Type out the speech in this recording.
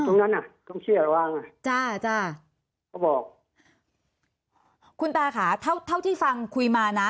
ตรงนั้นน่ะตรงเชื่อหลวงจ้าจ้าเขาบอกคุณตาค่ะเท่าเท่าที่ฟังคุยมาน่ะ